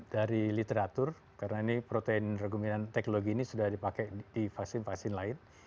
dari literatur karena ini protein reguminan teknologi ini sudah dipakai di vaksin vaksin lain